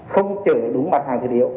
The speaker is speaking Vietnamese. không chở đúng mặt hàng thiết yếu